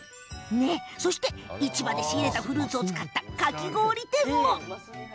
市場で仕入れたフルーツを使った、かき氷店も。